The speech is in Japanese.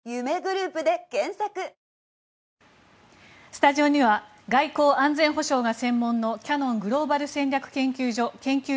スタジオには外交・安全保障が専門のキヤノングローバル戦略研究所研究